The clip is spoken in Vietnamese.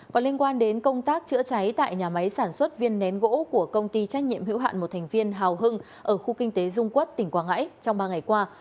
còn liên quan đến công tác chữa cháy tại nhà máy sản xuất viên nén gỗ của công ty trách nhiệm hữu hạn một thành viên hào hưng ở khu kinh tế dung quốc tỉnh quảng ngãi trong ba ngày qua